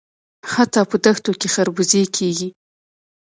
حتی په دښتو کې خربوزې کیږي.